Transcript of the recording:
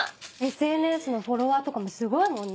ＳＮＳのフォロワーとかもすごいもんね。